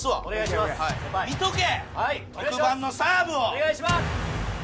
お願いします！